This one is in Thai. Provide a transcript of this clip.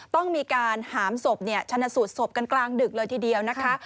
ต้องมีการหามศพชนะสูตรศพกันกลางดึกเลยทีเดียวนะคะ